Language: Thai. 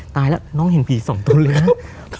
ตายแล้วน้องเห็นผีสองตัวเลยนะ